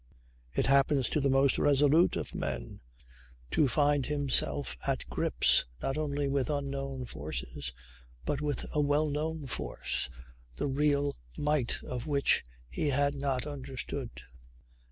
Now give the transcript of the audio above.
It happens to the most resolute of men to find himself at grips not only with unknown forces, but with a well known force the real might of which he had not understood.